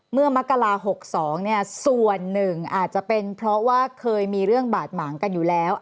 มกรา๖๒ส่วนหนึ่งอาจจะเป็นเพราะว่าเคยมีเรื่องบาดหมางกันอยู่แล้ว